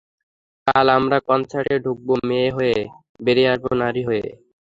কাল, আমরা কনসার্টে ঢুকব মেয়ে হয়ে, বেরিয়ে আসব নারী হয়ে।